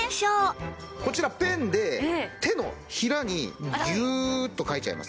こちらペンで手のひらにギューッと書いちゃいます。